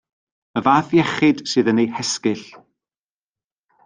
Y fath iechyd sydd yn ei hesgyll.